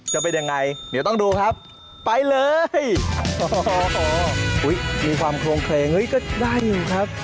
จะเป็นอย่างไรเดี๋ยวต้องดูครับ